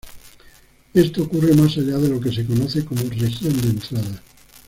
Esto ocurre más allá de lo que se conoce como región de entrada.